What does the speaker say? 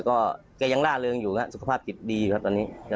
โอ้โห